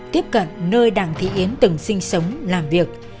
tiếp cận nơi đặng thị yến từng sinh sống làm việc